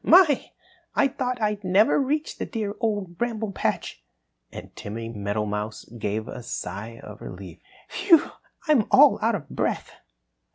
My! I thought I'd never reach the dear Old Bramble Patch!" And Timmy Meadowmouse gave a sigh of relief. "Whew! I'm all out of breath!"